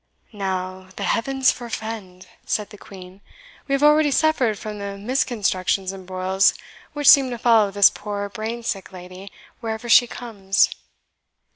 "Now the heavens forfend!" said the Queen; "we have already suffered from the misconstructions and broils which seem to follow this poor brain sick lady wherever she comes.